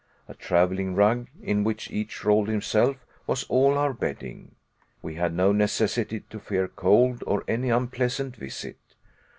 A traveling rug, in which each rolled himself, was all our bedding. We had no necessity to fear cold or any unpleasant visit.